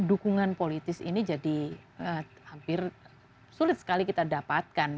dukungan politis ini jadi hampir sulit sekali kita dapatkan